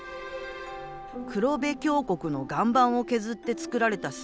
黒部峡谷の岩盤を削って作られた水平歩道。